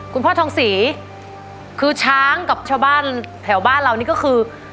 คุณพ่อทองศรีคือช้างกับชาวบ้านแถวบ้านเรานี่ก็คือ